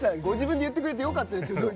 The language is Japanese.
ご自分で言ってくれてよかったです。